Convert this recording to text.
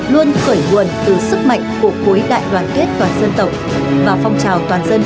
luôn khởi nguồn từ sức mạnh của cối đại đoàn kết toàn dân tổng